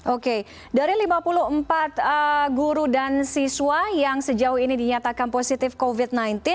oke dari lima puluh empat guru dan siswa yang sejauh ini dinyatakan positif covid sembilan belas